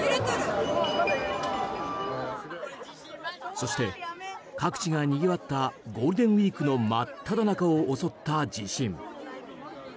そして各地がにぎわったゴールデンウィークの真っただ中を襲った地震。